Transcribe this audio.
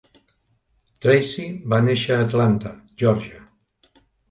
Tracy va néixer a Atlanta, Georgia.